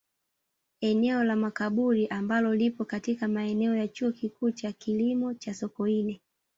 Eneo la Makaburi ambalo lipo katika maeneo ya Chuo Kikuu cha Kilimo cha Sokoine